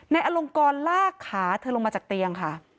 อลงกรลากขาเธอลงมาจากเตียงค่ะ